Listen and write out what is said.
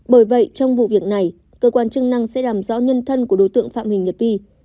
bởi vậy trong vụ việc này cơ quan chức năng sẽ làm rõ nhân thân của đối tượng phạm huỳnh nhật vi